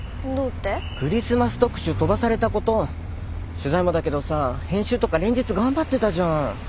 取材もだけどさ編集とか連日頑張ってたじゃん。